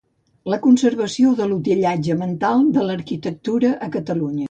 La conservació de l'utillatge mental de l'arquitectura a Catalunya.